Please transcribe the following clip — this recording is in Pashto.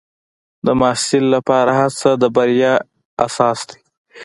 د محصل لپاره هڅه د بریا اساس دی.